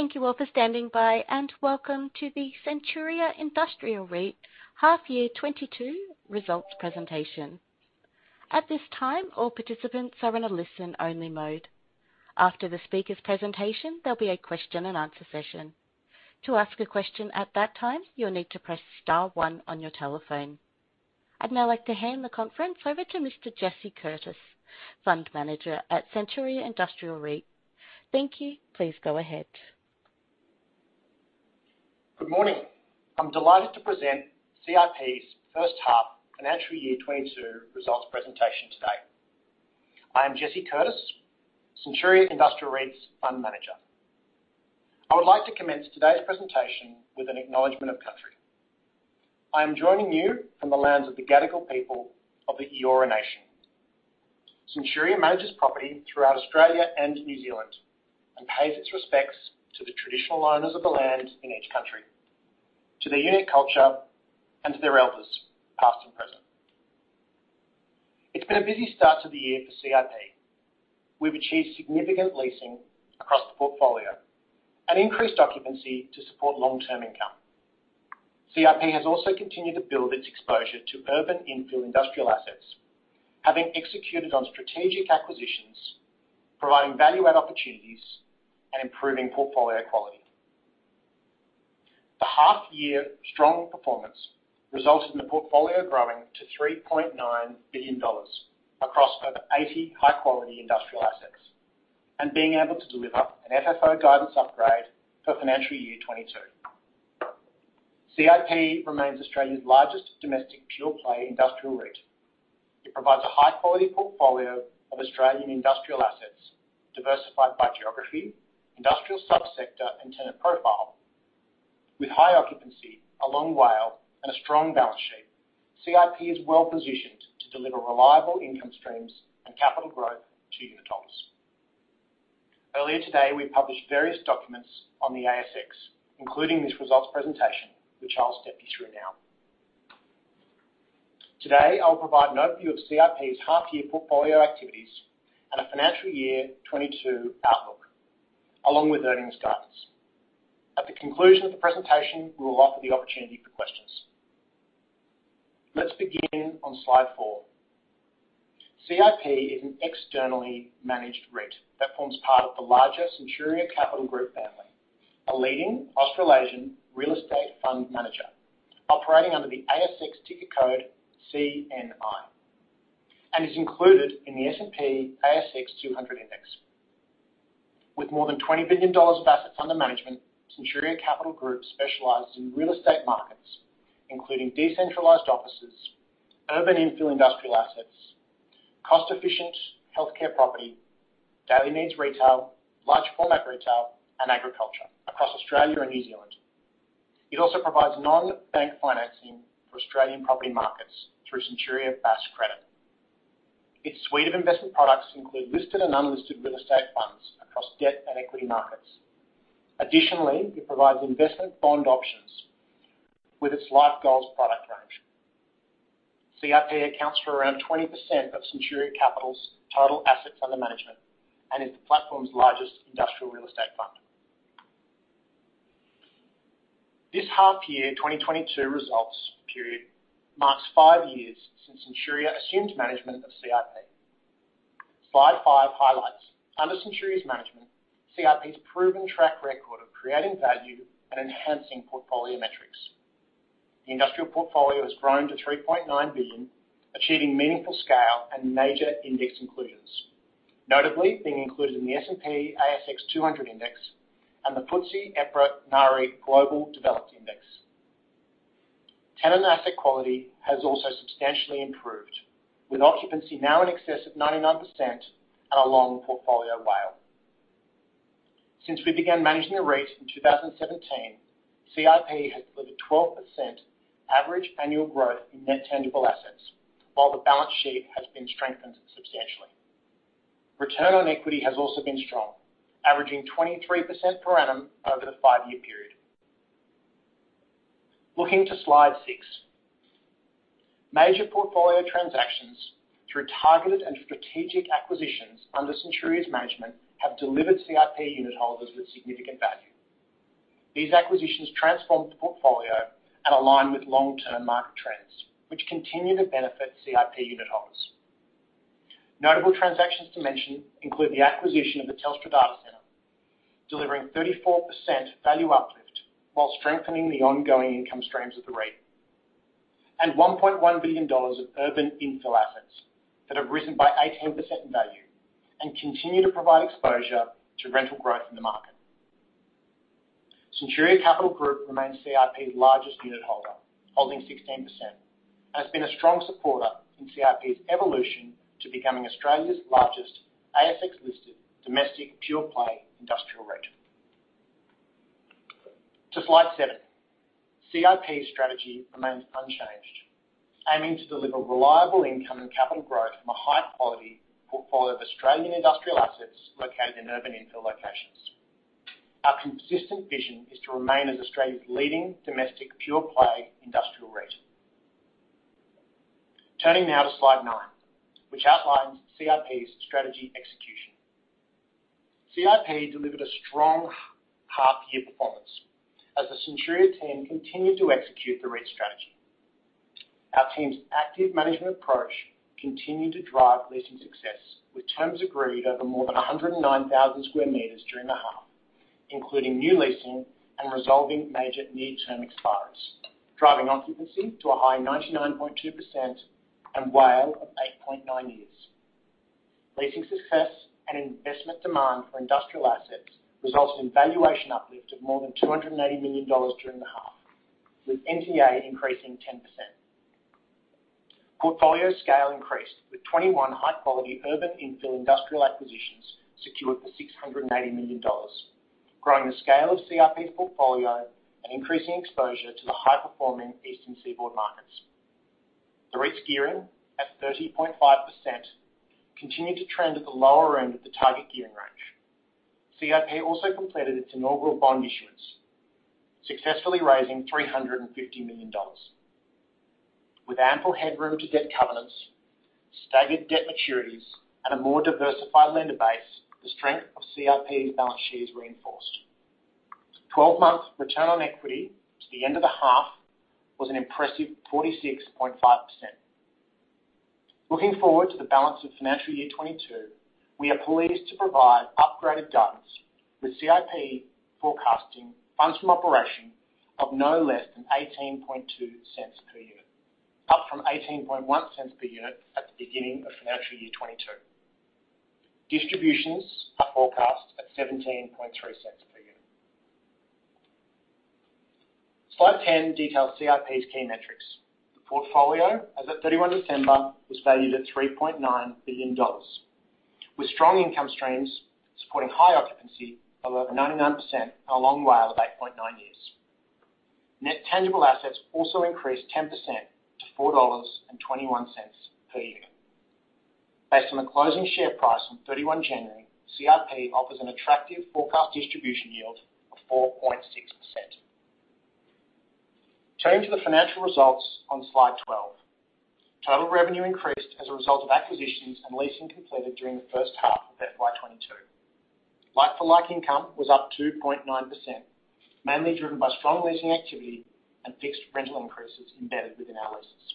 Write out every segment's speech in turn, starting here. Thank you all for standing by, and welcome to the Centuria Industrial REIT Half Year 2022 Results Presentation. At this time, all participants are in a listen-only mode. After the speaker's presentation, there'll be a question and answer session. To ask a question at that time, you'll need to press star one on your telephone. I'd now like to hand the conference over to Mr. Jesse Curtis, Fund Manager at Centuria Industrial REIT. Thank you. Please go ahead. Good morning. I'm delighted to present CIP's first half financial year 2022 results presentation today. I am Jesse Curtis, Centuria Industrial REIT's Fund Manager. I would like to commence today's presentation with an acknowledgement of Country. I am joining you from the lands of the Gadigal people of the Eora Nation. Centuria manages property throughout Australia and New Zealand, and pays its respects to the traditional owners of the land in each country, to their unique culture, and to their elders, past and present. It's been a busy start to the year for CIP. We've achieved significant leasing across the portfolio and increased occupancy to support long-term income. CIP has also continued to build its exposure to urban infill industrial assets, having executed on strategic acquisitions, providing value-add opportunities, and improving portfolio quality. The half year strong performance resulted in the portfolio growing to 3.9 billion dollars across over 80 high-quality industrial assets, and being able to deliver an FFO guidance upgrade for FY22. CIP remains Australia's largest domestic pure play industrial REIT. It provides a high-quality portfolio of Australian industrial assets diversified by geography, industrial subsector, and tenant profile. With high occupancy, a long WALE, and a strong balance sheet, CIP is well-positioned to deliver reliable income streams and capital growth to unitholders. Earlier today, we published various documents on the ASX, including this results presentation, which I'll step you through now. Today, I'll provide an overview of CIP's half year portfolio activities and a FY 2022 outlook, along with earnings guidance. At the conclusion of the presentation, we will offer the opportunity for questions. Let's begin on slide four. CIP is an externally managed REIT that forms part of the larger Centuria Capital Group family, a leading Australasian real estate fund manager operating under the ASX ticker code CNI, and is included in the S&P/ASX 200 index. With more than 20 billion dollars of assets under management, Centuria Capital Group specializes in real estate markets, including decentralized offices, urban infill industrial assets, cost-efficient healthcare property, daily needs retail, large format retail, and agriculture across Australia and New Zealand. It also provides non-bank financing for Australian property markets through Centuria Bass Credit. Its suite of investment products include listed and unlisted real estate funds across debt and equity markets. Additionally, it provides investment bond options with its LifeGoals product range. CIP accounts for around 20% of Centuria Capital's total assets under management, and is the platform's largest industrial real estate fund. This half year 2022 results period marks five years since Centuria assumed management of CIP. Slide five highlights under Centuria's management, CIP's proven track record of creating value and enhancing portfolio metrics. The industrial portfolio has grown to 3.9 billion, achieving meaningful scale and major index inclusions, notably being included in the S&P/ASX 200 index and the FTSE EPRA Nareit Global Developed Index. Tenant asset quality has also substantially improved, with occupancy now in excess of 99% and a long portfolio WALE. Since we began managing the REIT in 2017, CIP has delivered 12% average annual growth in net tangible assets, while the balance sheet has been strengthened substantially. Return on equity has also been strong, averaging 23% per annum over the five-year period. Looking to slide six. Major portfolio transactions through targeted and strategic acquisitions under Centuria's management have delivered CIP unit holders with significant value. These acquisitions transformed the portfolio and align with long-term market trends, which continue to benefit CIP unit holders. Notable transactions to mention include the acquisition of the Telstra Data Center, delivering 34% value uplift while strengthening the ongoing income streams of the REIT, and 1.1 billion dollars of urban infill assets that have risen by 18% in value and continue to provide exposure to rental growth in the market. Centuria Capital Group remains CIP's largest unit holder, holding 16%, and has been a strong supporter in CIP's evolution to becoming Australia's largest ASX-listed domestic pure play industrial REIT. To slide seven. CIP's strategy remains unchanged, aiming to deliver reliable income and capital growth from a high-quality portfolio of Australian industrial assets located in urban infill locations. Our consistent vision is to remain as Australia's leading domestic pure play industrial REIT. Turning now to slide nine, which outlines CIP's strategy execution. CIP delivered a strong half year performance as the Centuria team continued to execute the REIT strategy. Our team's active management approach continued to drive leasing success with terms agreed over more than 109,000 sq m during the half, including new leasing and resolving major near-term expires, driving occupancy to a high of 99.2% and WALE of 8.9 years. Leasing success and investment demand for industrial assets resulted in valuation uplift of more than 280 million dollars during the half, with NTA increasing 10%. Portfolio scale increased with 21 high-quality urban infill industrial acquisitions secured for 680 million dollars, growing the scale of CIP's portfolio and increasing exposure to the high-performing eastern seaboard markets. The REIT's gearing at 30.5% continued to trend at the lower end of the target gearing range. CIP also completed its inaugural bond issuance, successfully raising 350 million dollars. With ample headroom to debt covenants, staggered debt maturities, and a more diversified lender base, the strength of CIP's balance sheet is reinforced. 12-month return on equity to the end of the half was an impressive 46.5%. Looking forward to the balance of financial year 2022, we are pleased to provide upgraded guidance with CIP forecasting funds from operations of no less than 0.182 per unit, up from 0.181 per unit at the beginning of financial year 2022. Distributions are forecast at 0.173 per unit. Slide 10 details CIP's key metrics. The portfolio, as of 31 December, was valued at 3.9 billion dollars, with strong income streams supporting high occupancy of over 99% and a long WALE of 8.9 years. Net tangible assets also increased 10% to 4.21 dollars per unit. Based on the closing share price on 31 January, CIP offers an attractive forecast distribution yield of 4.6%. Turning to the financial results on slide 12. Total revenue increased as a result of acquisitions and leasing completed during the first half of FY22. Like-for-like income was up 2.9%, mainly driven by strong leasing activity and fixed rental increases embedded within our leases.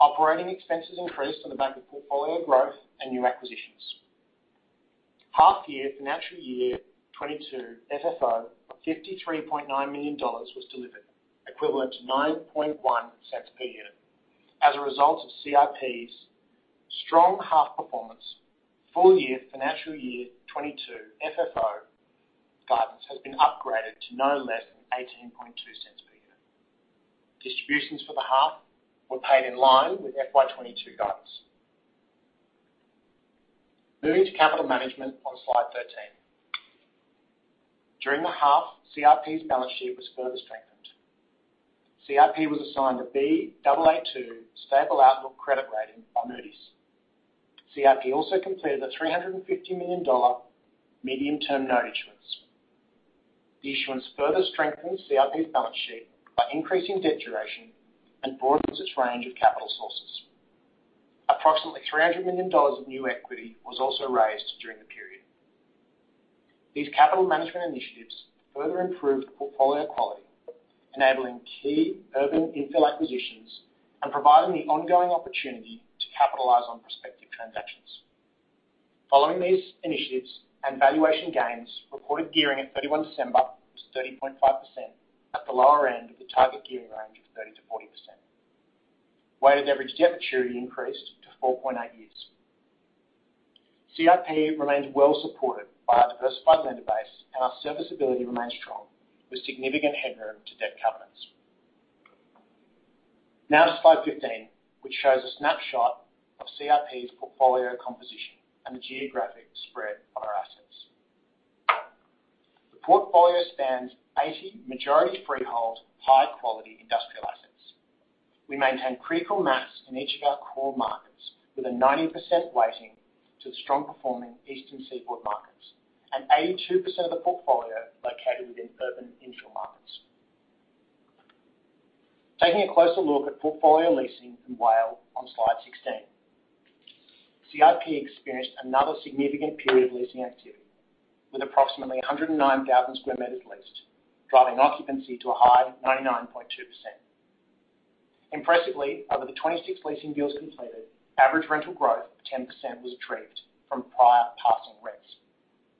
Operating expenses increased on the back of portfolio growth and new acquisitions. Half year financial year 2022 FFO, 53.9 million dollars, was delivered, equivalent to 0.091 per unit. As a result of CIP's strong half performance, full year financial year 2022 FFO guidance has been upgraded to no less than 0.182 per unit. Distributions for the half were paid in line with FY22 guidance. Moving to capital management on slide 13. During the half, CIP's balance sheet was further strengthened. CIP was assigned a Baa2 stable outlook credit rating by Moody's. CIP also completed an 350 million dollar medium-term note issuance. The issuance further strengthens CIP's balance sheet by increasing debt duration and broadens its range of capital sources. Approximately 300 million dollars of new equity was also raised during the period. These capital management initiatives further improved the portfolio quality, enabling key urban infill acquisitions and providing the ongoing opportunity to capitalize on prospective transactions. Following these initiatives and valuation gains, reported gearing at 31 December was 30.5% at the lower end of the target gearing range of 30%-40%. Weighted average debt maturity increased to 4.8 years. CIP remains well supported by our diversified lender base, and our servicing ability remains strong with significant headroom to debt covenants. Now to slide 15, which shows a snapshot of CIP's portfolio composition and the geographic spread of our assets. The portfolio spans 80 majority freehold, high-quality industrial assets. We maintain critical mass in each of our core markets with a 90% weighting to the strong-performing eastern seaboard markets, and 82% of the portfolio located within urban infill markets. Taking a closer look at portfolio leasing and WALE on slide 16. CIP experienced another significant period of leasing activity with approximately 109,000 sq m leased, driving occupancy to a high of 99.2%. Impressively, over the 26 leasing deals completed, average rental growth of 10% was retrieved from prior passing rents,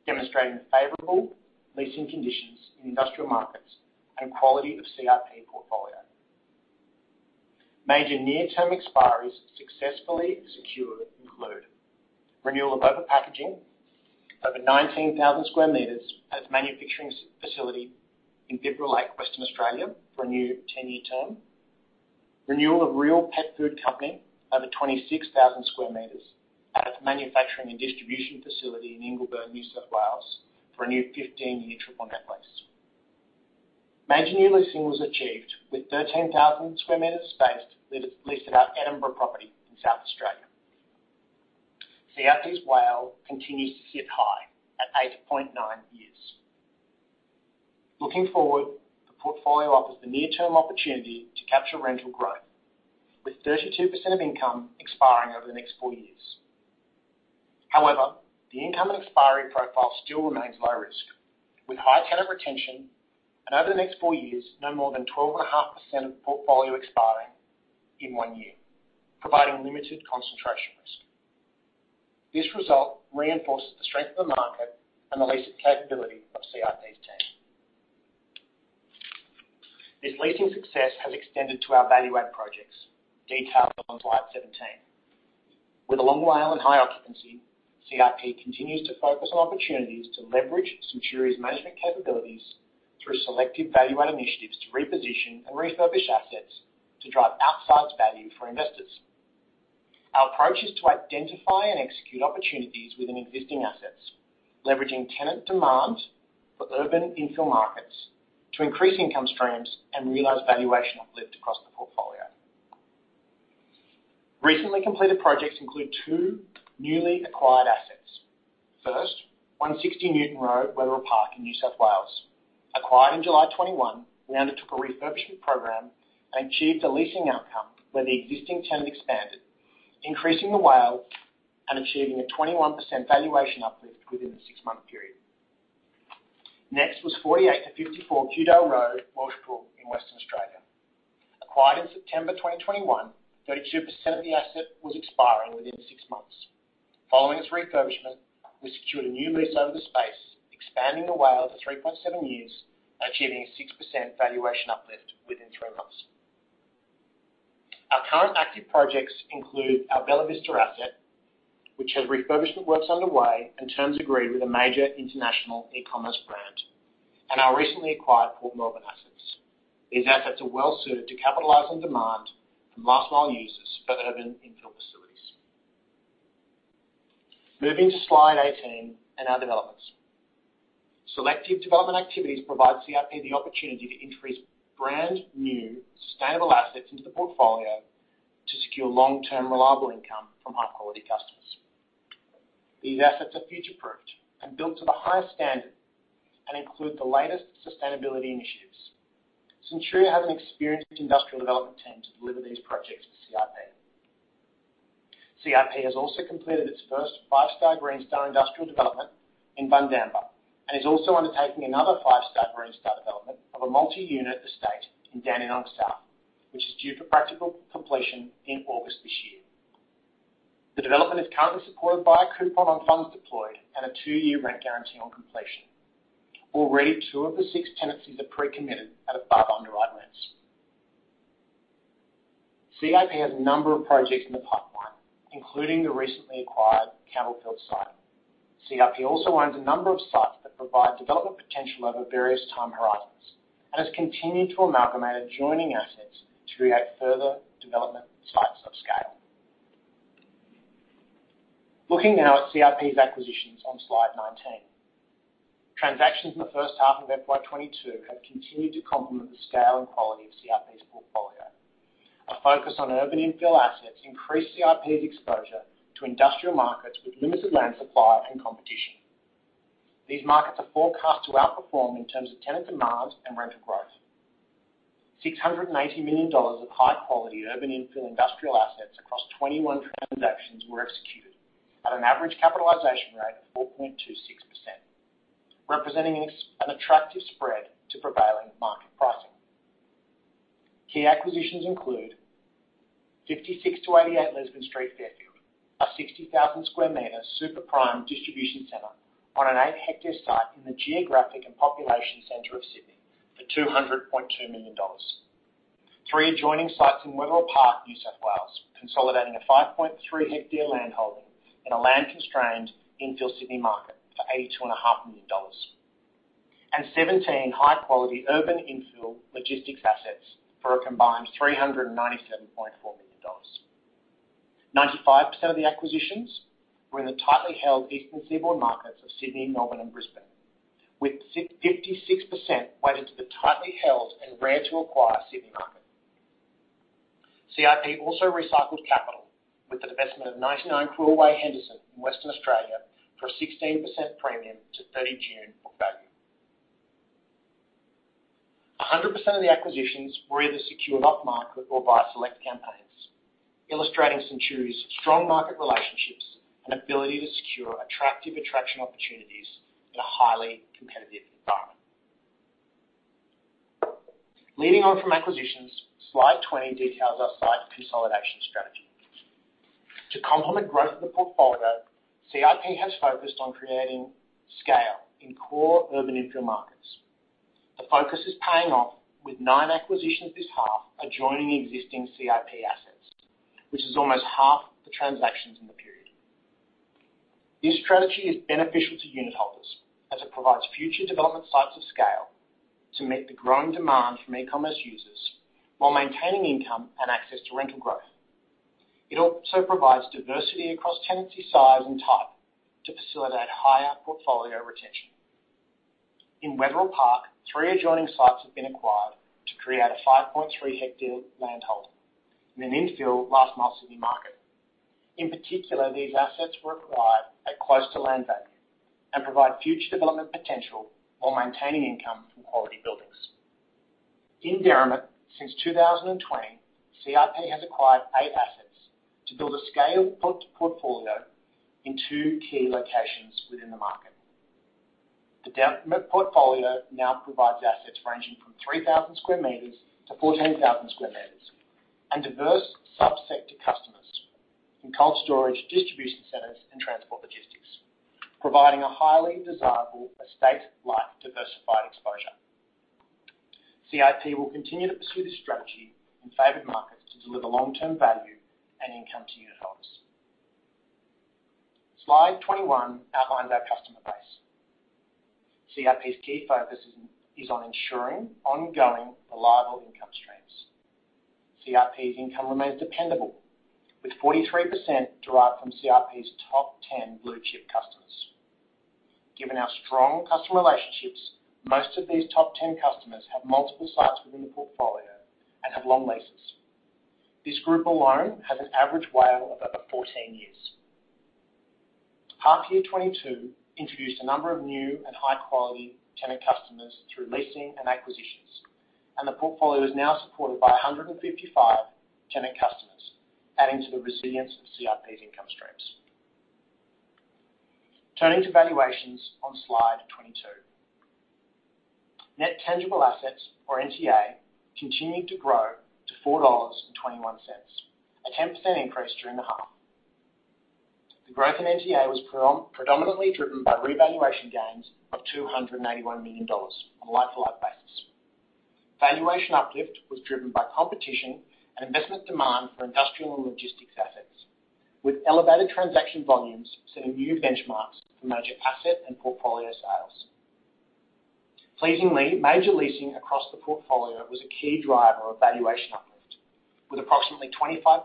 demonstrating favorable leasing conditions in industrial markets and quality of CIP portfolio. Major near-term expiries successfully secured include renewal of Orora Packaging, over 19,000 sq m at the manufacturing facility in Bibra Lake, Western Australia for a new 10-year term. Renewal of Real Pet Food Company, over 26,000 sq m at its manufacturing and distribution facility in Ingleburn, New South Wales for a new 15-year triple net lease. Major new leasing was achieved with 13,000 sq m of space leased at our Edinburgh property in South Australia. CIP's WALE continues to sit high at 8.9 years. Looking forward, the portfolio offers the near-term opportunity to capture rental growth, with 32% of income expiring over the next four years. However, the income and expiry profile still remains low risk, with high tenant retention and over the next four years, no more than 12.5% of the portfolio expiring in one year, providing limited concentration risk. This result reinforces the strength of the market and the leasing capability of CIP's team. This leasing success has extended to our value add projects, detailed on slide 17. With a long WALE and high occupancy, CIP continues to focus on opportunities to leverage Centuria's management capabilities through selective value add initiatives to reposition and refurbish assets to drive outsized value for investors. Our approach is to identify and execute opportunities within existing assets, leveraging tenant demand for urban infill markets to increase income streams and realize valuation uplift across the portfolio. Recently completed projects include two newly acquired assets. First, 160 Newton Road, Wetherill Park in New South Wales. Acquired in July 2021, we undertook a refurbishment program and achieved a leasing outcome where the existing tenant expanded, increasing the WALE and achieving a 21% valuation uplift within the six-month period. Next was 48-54 Kewdale Road, Welshpool in Western Australia. Acquired in September 2021, 32% of the asset was expiring within six months. Following its refurbishment, we secured a new lease over the space, expanding the WALE to 3.7 years, achieving a 6% valuation uplift within three months. Our current active projects include our Bella Vista asset, which has refurbishment works underway and terms agreed with a major international e-commerce brand, and our recently acquired Port Melbourne assets. These assets are well-suited to capitalize on demand from last mile users for urban infill facilities. Moving to slide 18 and our developments. Selective development activities provides CIP the opportunity to increase brand new stable assets into the portfolio to secure long-term reliable income from high-quality customers. These assets are future-proofed and built to the highest standard and include the latest sustainability initiatives. Centuria has an experienced industrial development team to deliver these projects to CIP. CIP has also completed its first five-star Green Star industrial development in Bundamba and is also undertaking another five-star Green Star development of a multi-unit estate in Dandenong South, which is due for practical completion in August this year. The development is currently supported by a coupon on funds deployed and a two-year rent guarantee on completion. Already, two of the six tenancies are pre-committed at above underwrite rents. CIP has a number of projects in the pipeline, including the recently acquired Campbellfield site. CIP also owns a number of sites that provide development potential over various time horizons and has continued to amalgamate adjoining assets to create further development sites of scale. Looking now at CIP's acquisitions on slide 19. Transactions in the first half of FY22 have continued to complement the scale and quality of CIP's portfolio. A focus on urban infill assets increased CIP's exposure to industrial markets with limited land supply and competition. These markets are forecast to outperform in terms of tenant demands and rental growth. 680 million dollars of high-quality urban infill industrial assets across 21 transactions were executed at an average capitalization rate of 4.26%, representing an attractive spread to prevailing market pricing. Key acquisitions include 56-88 Lisbon Street, Fairfield. A 60,000 sq m super prime distribution center on an 8-ha site in the geographic and population center of Sydney for 200.2 million dollars. Three adjoining sites in Wetherill Park, New South Wales, consolidating a 5.3-ha land holding in a land-constrained infill Sydney market for 82.5 million dollars. 17 high-quality urban infill logistics assets for a combined 397.4 million dollars. 95% of the acquisitions were in the tightly held Eastern seaboard markets of Sydney, Melbourne and Brisbane, with 56% weighted to the tightly held and rare to acquire Sydney market. CIP also recycled capital with the divestment of 99 Quill Way, Henderson in Western Australia for a 16% premium to 30 June book value. 100% of the acquisitions were either secured off market or via select campaigns, illustrating Centuria's strong market relationships and ability to secure attractive acquisition opportunities in a highly competitive environment. Leading on from acquisitions, slide 20 details our site consolidation strategy. To complement growth of the portfolio, CIP has focused on creating scale in core urban infill markets. The focus is paying off, with nine acquisitions this half adjoining existing CIP assets, which is almost half the transactions in the period. This strategy is beneficial to unit holders, as it provides future development sites of scale to meet the growing demand from e-commerce users while maintaining income and access to rental growth. It also provides diversity across tenancy size and type to facilitate higher portfolio retention. In Wetherill Park, three adjoining sites have been acquired to create a 5.3-ha land holding in an infill last mile Sydney market. In particular, these assets were acquired at close to land bank and provide future development potential while maintaining income from quality buildings. In Derrimut, since 2020, CIP has acquired eight assets to build a scaled portfolio in two key locations within the market. The Derrimut portfolio now provides assets ranging from 3,000 sq m to 14,000 sq m and diverse subsector customers in cold storage, distribution centers, and transport logistics, providing a highly desirable estate-like diversified exposure. CIP will continue to pursue this strategy in favored markets to deliver long-term value and income to unitholders. Slide 21 outlines our customer base. CIP's key focus is on ensuring ongoing reliable income streams. CIP's income remains dependable, with 43% derived from CIP's top 10 blue-chip customers. Given our strong customer relationships, most of these top 10 customers have multiple sites within the portfolio and have long leases. This group alone has an average WALE of over 14 years. Half year 2022 introduced a number of new and high-quality tenant customers through leasing and acquisitions, and the portfolio is now supported by 155 tenant customers, adding to the resilience of CIP's income streams. Turning to valuations on slide 22. Net tangible assets or NTA continued to grow to 4.21 dollars, a 10% increase during the half. The growth in NTA was predominantly driven by revaluation gains of 281 million dollars on a like-for-like basis. Valuation uplift was driven by competition and investment demand for industrial and logistics assets, with elevated transaction volumes setting new benchmarks for major asset and portfolio sales. Pleasingly, major leasing across the portfolio was a key driver of valuation uplift, with approximately 25%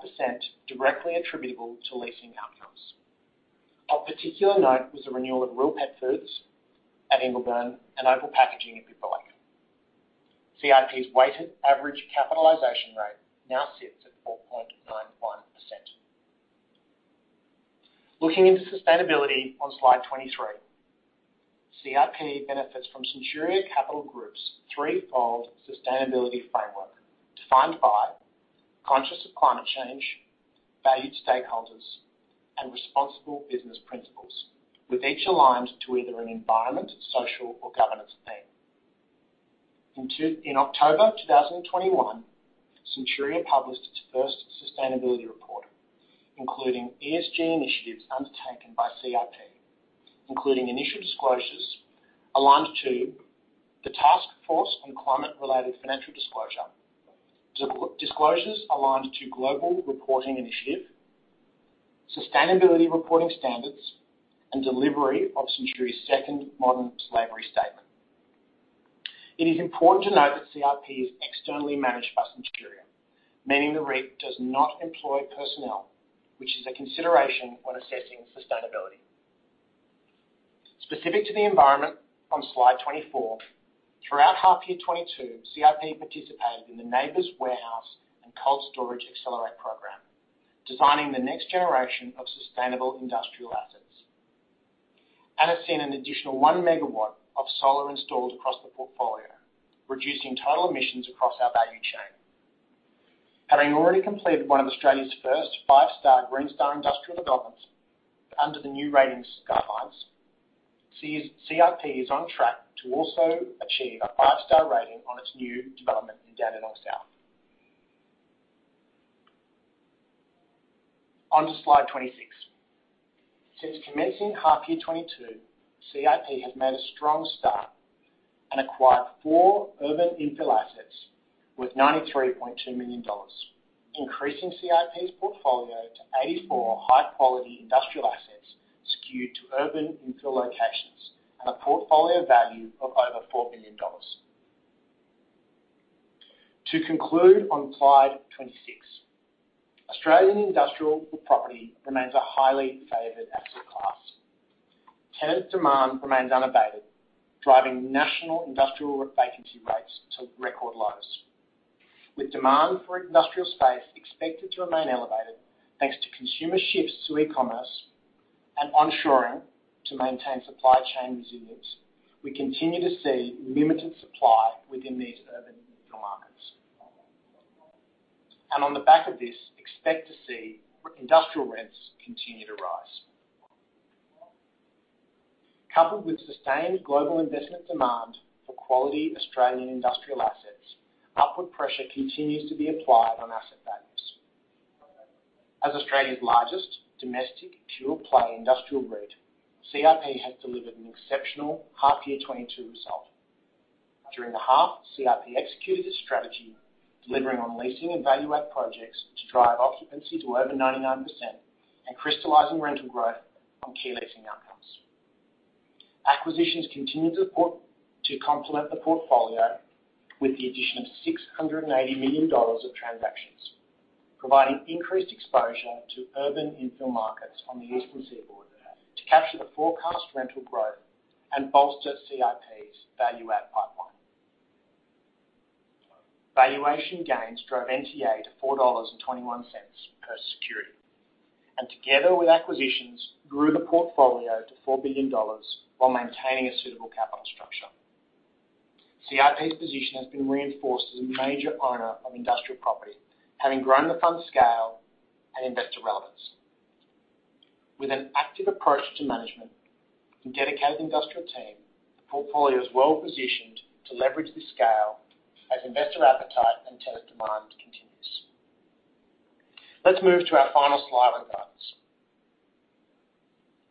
directly attributable to leasing outcomes. Of particular note was the renewal of Real Pet Food Company at Ingleburn and Orora Packaging at Bibra Lake. CIP's weighted average capitalization rate now sits at 4.91%. Looking into sustainability on slide 23. CIP benefits from Centuria Capital Group's threefold sustainability framework, defined by conscious of climate change, valued stakeholders, and responsible business principles, with each aligned to either an environment, social, or governance theme. In October 2021, Centuria published its first sustainability report, including ESG initiatives undertaken by CIP, including initial disclosures aligned to the Task Force on Climate-related Financial Disclosures, disclosures aligned to Global Reporting Initiative Sustainability Reporting Standards, and delivery of Centuria's second modern slavery statement. It is important to note that CIP is externally managed by Centuria, meaning the REIT does not employ personnel, which is a consideration when assessing sustainability. Specific to the environment on slide 24, throughout half year 2022, CIP participated in the NABERS Warehouse and Cold Storage Accelerate program, designing the next generation of sustainable industrial assets. It's seen an additional 1 MW of solar installed across the portfolio, reducing total emissions across our value chain. Having already completed one of Australia's first five-star Green Star industrial developments under the new ratings guidelines, CIP is on track to also achieve a five-star rating on its new development in Dandenong South. On to slide 26. Since commencing half year 2022, CIP has made a strong start and acquired four urban infill assets with 93.2 million dollars, increasing CIP's portfolio to 84 high-quality industrial assets skewed to urban infill locations and a portfolio value of over 4 billion dollars. To conclude on slide 26, Australian industrial property remains a highly favored asset class. Tenant demand remains unabated, driving national industrial vacancy rates to record lows. With demand for industrial space expected to remain elevated, thanks to consumer shifts to e-commerce and onshoring to maintain supply chain resilience, we continue to see limited supply within these urban infill markets. On the back of this, expect to see industrial rents continue to rise. Coupled with sustained global investment demand for quality Australian industrial assets, upward pressure continues to be applied on asset values. As Australia's largest domestic pure-play industrial REIT, CIP has delivered an exceptional half-year 2022 result. During the half, CIP executed its strategy, delivering on leasing and value add projects to drive occupancy to over 99% and crystallizing rental growth on key leasing outcomes. Acquisitions continue to complement the portfolio with the addition of 680 million dollars of transactions, providing increased exposure to urban infill markets on the eastern seaboard to capture the forecast rental growth and bolster CIP's value add pipeline. Valuation gains drove NTA to 4.21 dollars per security. Together with acquisitions, grew the portfolio to 4 billion dollars while maintaining a suitable capital structure. CIP's position has been reinforced as a major owner of industrial property, having grown the fund scale and investor relevance. With an active approach to management and dedicated industrial team, the portfolio is well-positioned to leverage this scale as investor appetite and tenant demand continues. Let's move to our final slide on guidance.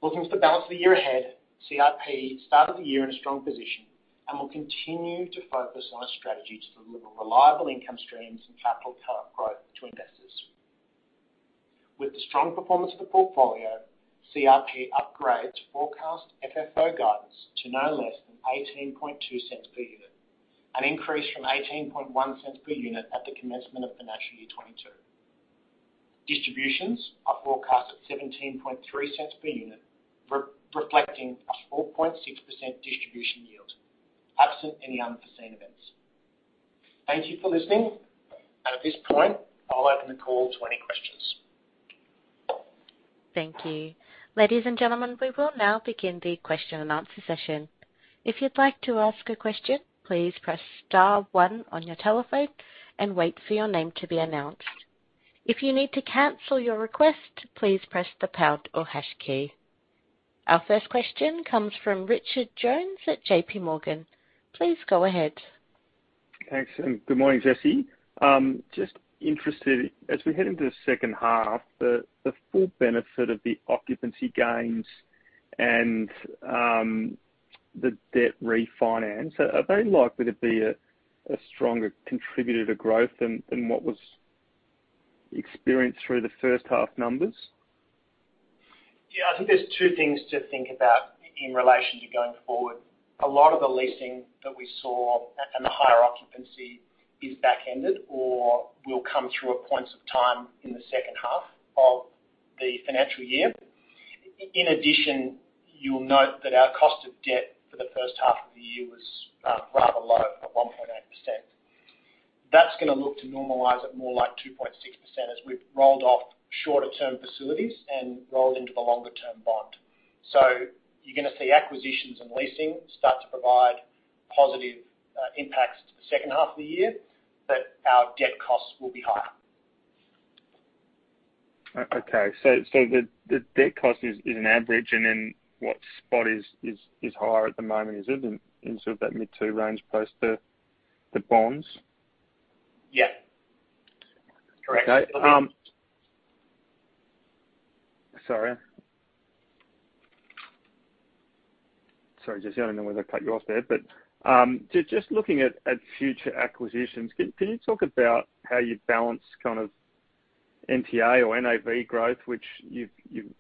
Looking to the balance of the year ahead, CIP started the year in a strong position and will continue to focus on a strategy to deliver reliable income streams and capital return growth to investors. With the strong performance of the portfolio, CIP upgrades forecast FFO guidance to no less than 0.182 per unit, an increase from 0.181 per unit at the commencement of financial year 2022. Distributions are forecast at 0.173 per unit, reflecting a 4.6% distribution yield, absent any unforeseen events. Thank you for listening. At this point, I'll open the call to any questions. Thank you. Ladies and gentlemen, we will now begin the question and answer session. If you'd like to ask a question, please press star one on your telephone and wait for your name to be announced. If you need to cancel your request, please press the pound or hash key. Our first question comes from Richard Jones at JPMorgan. Please go ahead. Thanks, and good morning, Jesse. Just interested, as we head into the second half, the full benefit of the occupancy gains and the debt refinance, are they likely to be a stronger contributor to growth than what was experienced through the first half numbers? Yeah, I think there's two things to think about in relation to going forward. A lot of the leasing that we saw and the higher occupancy is back-ended or will come through at points of time in the second half of the financial year. In addition, you'll note that our cost of debt for the first half of the year was rather low at 1.8%. That's gonna look to normalize at more like 2.6% as we've rolled off shorter-term facilities and rolled into the longer term bond. You're gonna see acquisitions and leasing start to provide positive impacts to the second half of the year, but our debt costs will be higher. Okay. The debt cost is an average and then what spot is higher at the moment, is it in sort of that mid two range post the bonds? Yeah. Correct. Sorry, Jesse, I don't know whether I cut you off there, but just looking at future acquisitions, can you talk about how you balance kind of NTA or NAV growth, which you've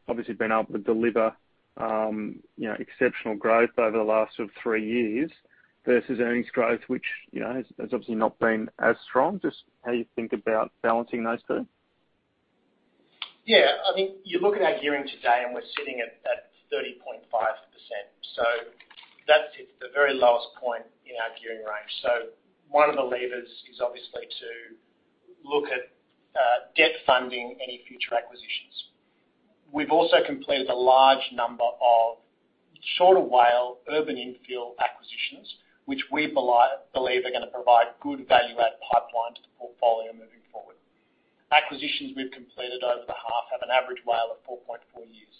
obviously been able to deliver, you know, exceptional growth over the last sort of three years versus earnings growth, which, you know, has obviously not been as strong. Just how you think about balancing those two. Yeah. I mean, you look at our gearing today, and we're sitting at 30.5%. That's at the very lowest point in our gearing range. One of the levers is obviously to look at debt funding any future acquisitions. We've also completed a large number of shorter WALE urban infill acquisitions, which we believe are gonna provide good value add pipeline to the portfolio moving forward. Acquisitions we've completed over the half have an average WALE of 4.4 years.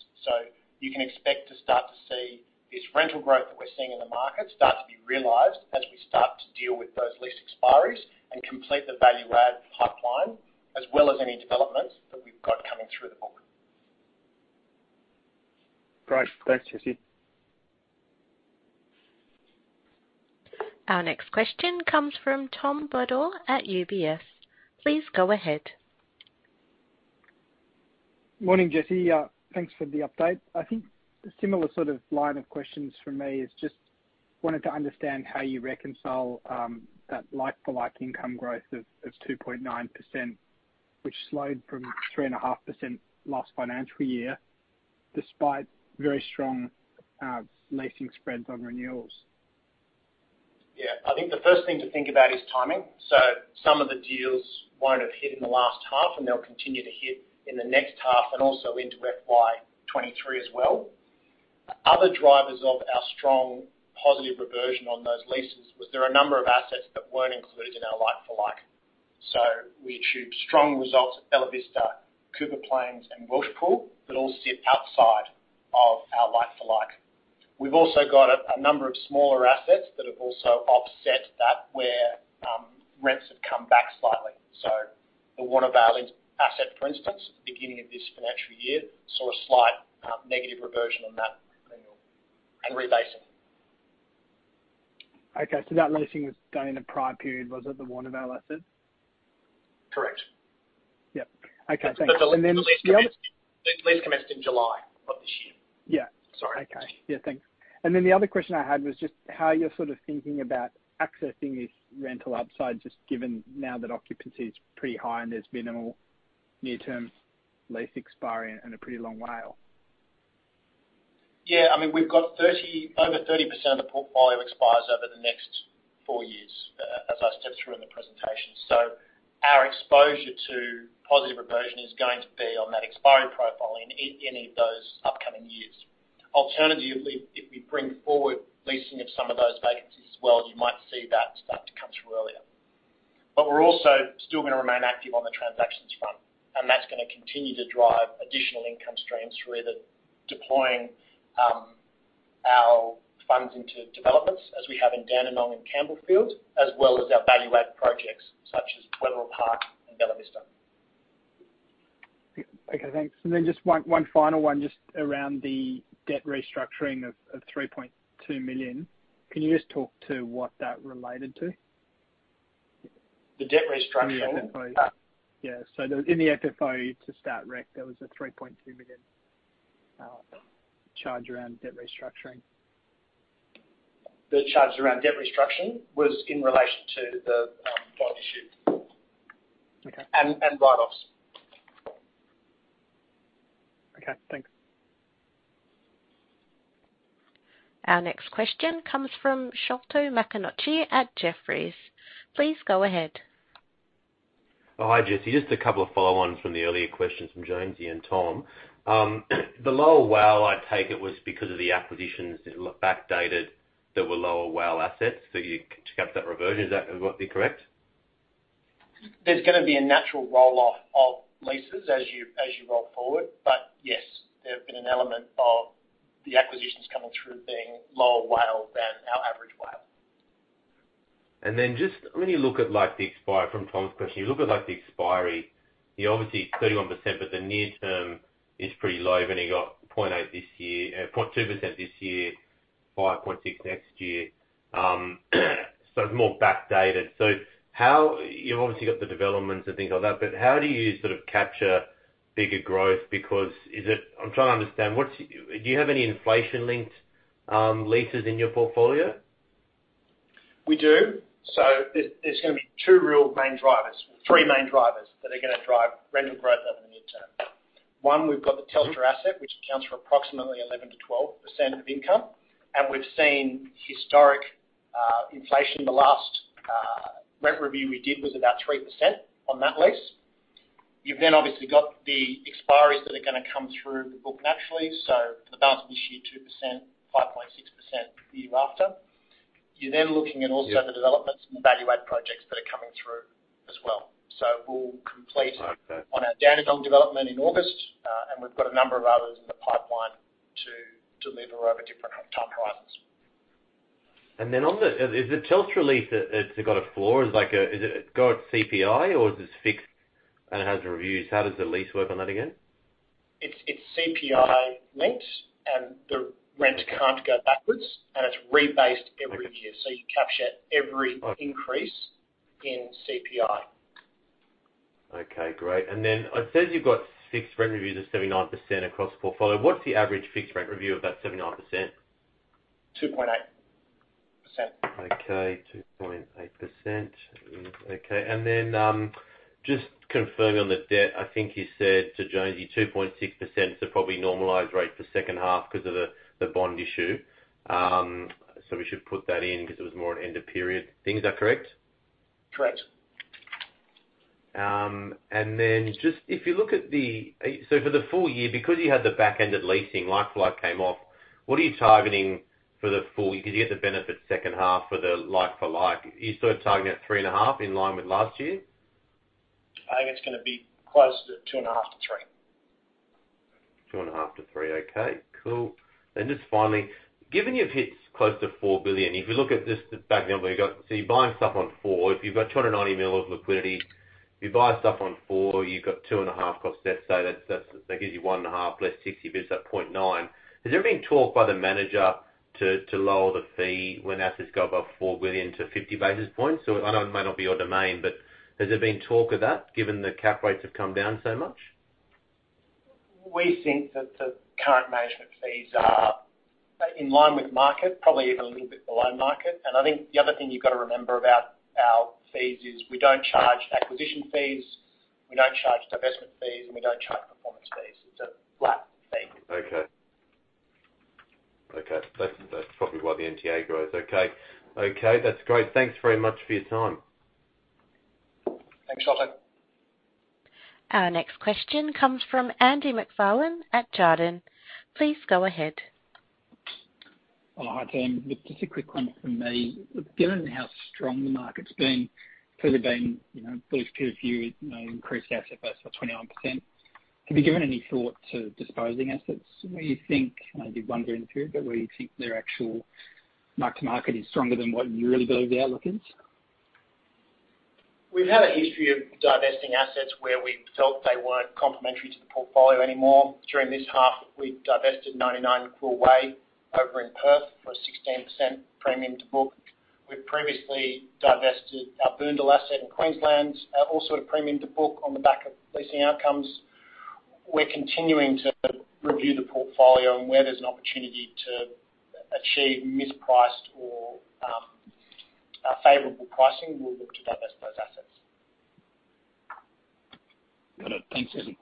You can expect to start to see this rental growth that we're seeing in the market start to be realized as we start to deal with those lease expiries and complete the value add pipeline, as well as any developments that we've got coming through the book. Great. Thanks, Jesse. Our next question comes from Tom Bodor at UBS. Please go ahead. Morning, Jesse. Thanks for the update. I think a similar sort of line of questioning from me I just wanted to understand how you reconcile that like-for-like income growth of 2.9%, which slowed from 3.5% last financial year, despite very strong leasing spreads on renewals. Yeah. I think the first thing to think about is timing. Some of the deals won't have hit in the last half, and they'll continue to hit in the next half and also into FY23 as well. Other drivers of our strong positive reversion on those leases was there were a number of assets that weren't included in our like-for-like. We achieved strong results at Bella Vista, Cooper Plains and Bushells that all sit outside of our like-for-like. We've also got a number of smaller assets that have also offset that, where rents have come back slightly. The Warnervale asset, for instance, at the beginning of this financial year, saw a slight negative reversion on that renewal and re-leasing. Okay. That leasing was done in the prior period, was it, the Warnervale asset? Correct. Yeah. Okay. Thanks. Then the other. The lease commenced in July of this year. Yeah. Sorry. Okay. Yeah, thanks. The other question I had was just how you're sort of thinking about accessing this rental upside, just given now that occupancy is pretty high, and there's been a more near-term lease expiry and a pretty long WALE? Yeah, I mean, we've got over 30% of the portfolio expires over the next four years, as I stepped through in the presentation. Our exposure to positive reversion is going to be on that expiry profile in any of those upcoming years. Alternatively, if we bring forward leasing of some of those vacancies as well, you might see that start to come through earlier. We're also still gonna remain active on the transactions front, and that's gonna continue to drive additional income streams through either deploying our funds into developments as we have in Dandenong and Campbellfield, as well as our value add projects such as Wetherill Park and Bella Vista. Okay, thanks. Just one final one, just around the debt restructuring of 3.2 million. Can you just talk to what that related to? The debt restructuring? The FFO. Uh. In the FFO to stat rec, there was a 3.2 million charge around debt restructuring. The charge around debt restructuring was in relation to the bond issue. Okay write-offs. Okay, thanks. Our next question comes from Sholto Maconochie at Jefferies. Please go ahead. Hi, Jesse. Just a couple of follow on from the earlier questions from Jamesy and Tom. The lower WALE, I take it, was because of the acquisitions that were backdated that were lower WALE assets, so you kept that reversion. Is that correct? There's gonna be a natural roll-off of leases as you roll forward. But yes, there have been an element of the acquisitions coming through being lower WALE than our average WALE. Just when you look at the expiry from Tom's question, you look at the expiry, you're obviously 31%, but the near term is pretty low. You got 0.8% this year, 0.2% this year, 5.6% next year. It's more back-ended. How you've obviously got the developments and things like that, but how do you sort of capture bigger growth? Because is it. I'm trying to understand, what do you have any inflation-linked leases in your portfolio? We do. There's gonna be three main drivers that are gonna drive rental growth over the near term. One, we've got the Telstra asset, which accounts for approximately 11%-12% of income, and we've seen historic inflation. The last rent review we did was about 3% on that lease. You've then obviously got the expiries that are gonna come through the book naturally. For the balance of this year, 2%, 5.6% the year after. You're then looking at also.... the developments and the value add projects that are coming through as well. We'll complete-on our Dandenong development in August, and we've got a number of others in the pipeline to deliver over different time horizons. Is the Telstra lease, it's got a floor. Is it got CPI or is this fixed and it has reviews? How does the lease work on that again? It's CPI linked, and the rent can't go backwards, and it's rebased every year. You capture every increase in CPI. Okay, great. It says you've got fixed rent reviews of 79% across the portfolio. What's the average fixed rent review of that 79%? 2.8%. Okay, 2.8%. Okay. And then, just confirming on the debt, I think you said to Jamesy 2.6% is a probably normalized rate for second half because of the bond issue. So we should put that in because it was more an end of period things. Is that correct? Correct. Just if you look at the full year, because you had the back end of leasing like for like came off, what are you targeting for the full? Because you get the benefit second half for the like for like. Are you still targeting at 3.5 in line with last year? I think it's gonna be close to 2.5-3. 2.5-3. Okay, cool. Just finally, given you've hit close to 4 billion, if you look at just the back end, you're buying stuff on four. If you've got 290 million of liquidity, if you buy stuff on 4, you've got 2.5 cost debt. That gives you 1.5 plus 60 bits, 0.9. Has there been talk by the manager to lower the fee when assets go above 4 billion to 50 basis points? I know it may not be your domain, but has there been talk of that given the cap rates have come down so much? We think that the current management fees are in line with market, probably even a little bit below market. I think the other thing you've got to remember about our fees is we don't charge acquisition fees, we don't charge divestment fees, and we don't charge performance fees. It's a flat fee. Okay. That's probably why the NTA grows. Okay, that's great. Thanks very much for your time. Thanks, Sholto. Our next question comes from Andy MacFarlane at Jarden. Please go ahead. Oh, hi, James. Just a quick one from me. Given how strong the market's been, could have been, you know, at least to you know, increased the asset base by 21%, have you given any thought to disposing assets? Where you think, you know, you did one during the period, but where you think their actual mark to market is stronger than what you really believe the outlook is? We've had a history of divesting assets where we felt they weren't complementary to the portfolio anymore. During this half, we divested 99 Quill Way over in Perth for a 16% premium to book. We've previously divested our Boondall asset in Queensland, also at a premium to book on the back of leasing outcomes. We're continuing to review the portfolio and where there's an opportunity to achieve mispriced or favorable pricing, we'll look to divest those assets. Got it. Thanks, Jesse.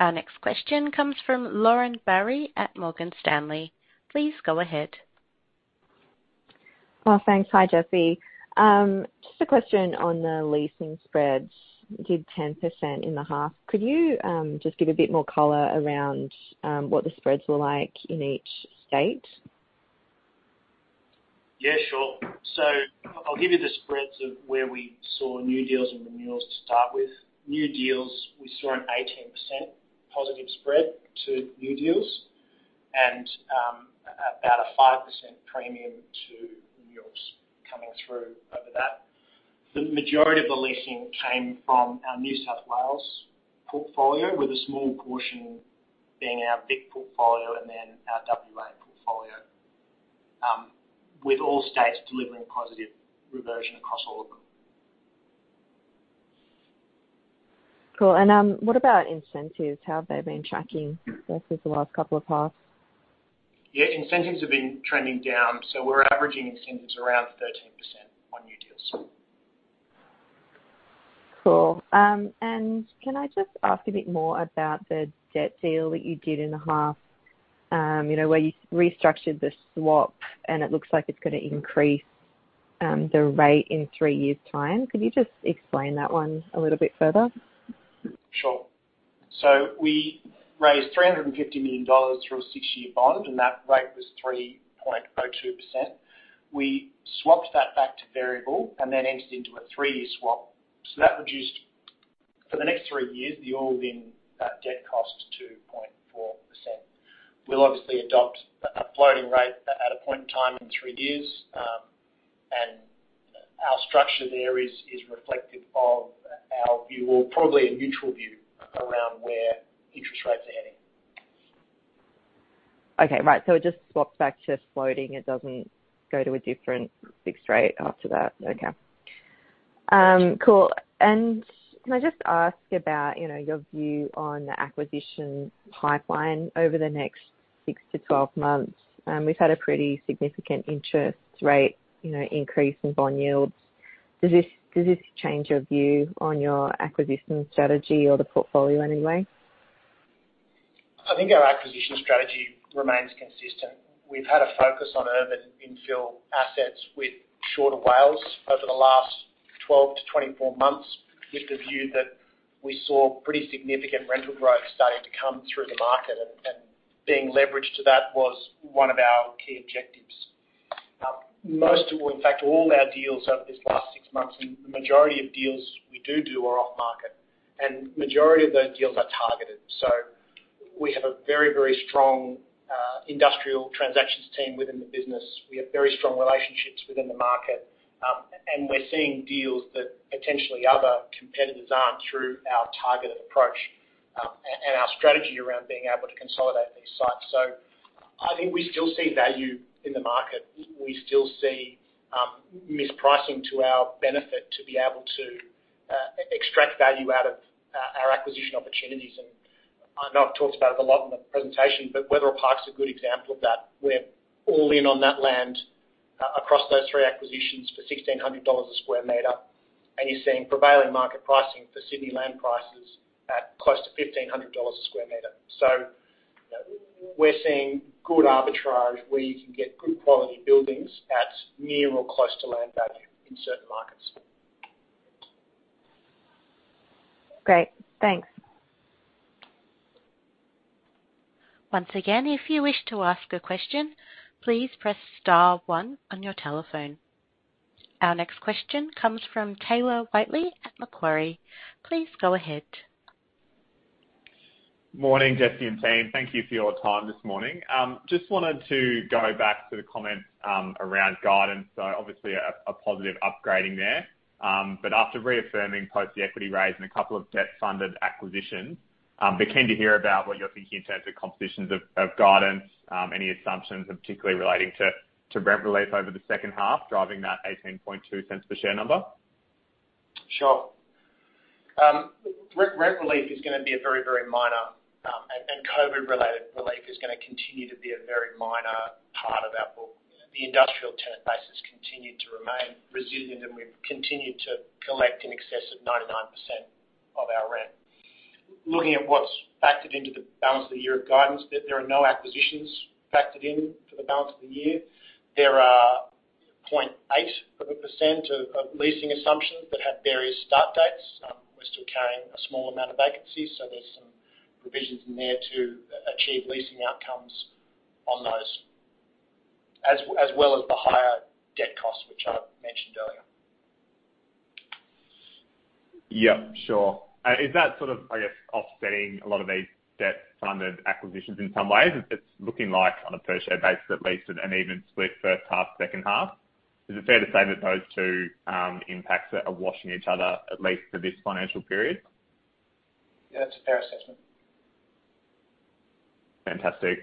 Our next question comes from Lauren Berry at Morgan Stanley. Please go ahead. Well, thanks. Hi, Jesse. Just a question on the leasing spreads. You did 10% in the half. Could you just give a bit more color around what the spreads were like in each state? Yeah, sure. I'll give you the spreads of where we saw new deals and renewals to start with. New deals, we saw an 18% positive spread to new deals and about a 5% premium to renewals coming through over that. The majority of the leasing came from our New South Wales portfolio, with a small portion being our VIC portfolio and then our WA portfolio, with all states delivering positive reversion across all of them. Cool. What about incentives? How have they been tracking versus the last couple of halves? Yeah, incentives have been trending down, so we're averaging incentives around 13% on new deals. Cool. Can I just ask a bit more about the debt deal that you did in the half, you know, where you restructured the swap and it looks like it's gonna increase, the rate in three years' time? Could you just explain that one a little bit further? Sure. We raised 350 million dollars through a six-year bond, and that rate was 3.02%. We swapped that back to variable and then entered into a three-year swap. That reduced, for the next three years, the all-in debt cost to 2.4%. We'll obviously adopt a floating rate at a point in time in three years, and our structure there is reflective of our view or probably a neutral view around where interest rates are heading. Okay. Right. It just swaps back to floating. It doesn't go to a different fixed rate after that. Okay. Cool. Can I just ask about, you know, your view on the acquisition pipeline over the next six to 12 months? We've had a pretty significant interest rate, you know, increase in bond yields. Does this change your view on your acquisition strategy or the portfolio in any way? I think our acquisition strategy remains consistent. We've had a focus on urban infill assets with shorter WALE over the last 12-24 months, with the view that we saw pretty significant rental growth starting to come through the market, and being leveraged to that was one of our key objectives. Most of all, in fact, all our deals over this last 6 months and the majority of deals we do are off market, and majority of those deals are targeted. We have a very, very strong industrial transactions team within the business. We have very strong relationships within the market, and we're seeing deals that potentially other competitors aren't through our targeted approach, and our strategy around being able to consolidate these sites. I think we still see value in the market. We still see mispricing to our benefit to be able to extract value out of our acquisition opportunities. I know I've talked about it a lot in the presentation, but Wetherill Park's a good example of that. We're all in on that land across those three acquisitions for 1600 dollars a sq m, and you're seeing prevailing market pricing for Sydney land prices at close to 1500 dollars a sq m. You know, we're seeing good arbitrage where you can get good quality buildings at near or close to land value in certain markets. Great. Thanks. Once again, if you wish to ask a question, please press star one on your telephone. Our next question comes from Taylor Whiteley at Macquarie. Please go ahead. Morning, Jesse and team. Thank you for your time this morning. Just wanted to go back to the comments around guidance. Obviously a positive upgrading there. After reaffirming post the equity raise and a couple of debt-funded acquisitions, be keen to hear about what you're thinking in terms of composition of guidance, any assumptions, and particularly relating to rent relief over the second half, driving that 0.182 per share number. Sure. Rent relief is gonna be a very minor, and COVID-related relief is gonna continue to be a very minor part of our book. The industrial tenant base has continued to remain resilient, and we've continued to collect in excess of 99% of our rent. Looking at what's factored into the balance of the year of guidance, there are no acquisitions factored in for the balance of the year. There are 0.8% of leasing assumptions that have various start dates. We're still carrying a small amount of vacancies, so there's some provisions in there to achieve leasing outcomes on those, as well as the higher debt costs, which I mentioned earlier. Yeah, sure. Is that sort of, I guess, offsetting a lot of these debt-funded acquisitions in some ways? It's looking like on a per share basis, at least an even split first half, second half. Is it fair to say that those two impacts are washing each other, at least for this financial period? Yeah, that's a fair assessment. Fantastic.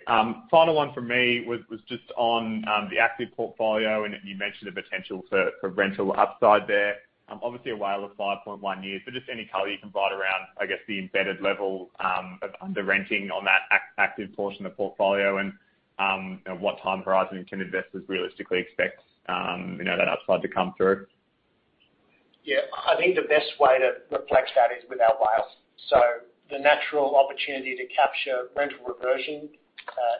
Final one from me was just on the active portfolio, and you mentioned the potential for rental upside there. Obviously a WALE of 5.1 years, but just any color you can provide around, I guess, the embedded level of underrenting on that active portion of the portfolio and, you know, what time horizon can investors realistically expect, you know, that upside to come through? Yeah. I think the best way to reflect that is with our WALE. The natural opportunity to capture rental reversion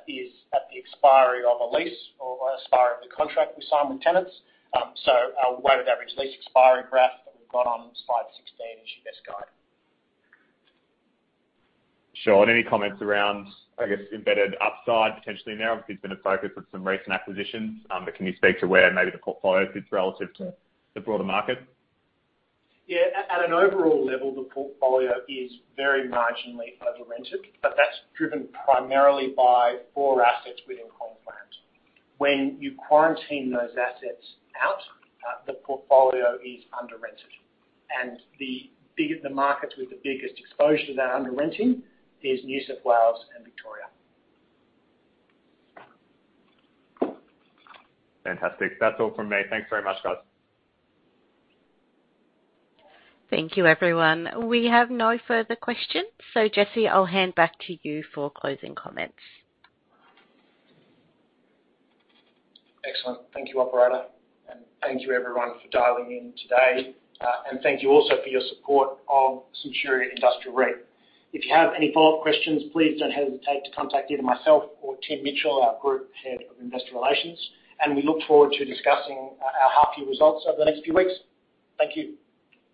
is at the expiry of a lease or expiry of the contract we sign with tenants. Our weighted average lease expiry graph that we've got on slide 16 is your best guide. Sure. Any comments around, I guess, embedded upside potentially in there? Obviously, it's been a focus of some recent acquisitions. Can you speak to where maybe the portfolio fits relative to the broader market? Yeah. At an overall level, the portfolio is very marginally overrented, but that's driven primarily by four assets within Coalplant. When you quarantine those assets out, the portfolio is underrented. The markets with the biggest exposure to that underrenting is New South Wales and Victoria. Fantastic. That's all from me. Thanks very much, guys. Thank you, everyone. We have no further questions. Jesse, I'll hand back to you for closing comments. Excellent. Thank you, operator, and thank you everyone for dialing in today. Thank you also for your support of Centuria Industrial REIT. If you have any follow-up questions, please don't hesitate to contact either myself or Tim Mitchell, our Group Head of Investor Relations, and we look forward to discussing our half year results over the next few weeks. Thank you.